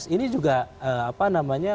ini juga apa namanya